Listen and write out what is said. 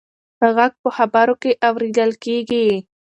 غږ په خبرو کې اورېدل کېږي.